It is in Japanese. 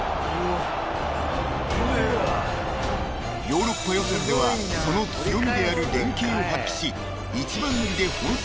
［ヨーロッパ予選ではその強みである連携を発揮し］